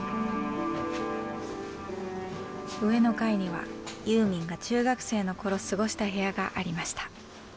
上の階にはユーミンが中学生の頃過ごした部屋がありました。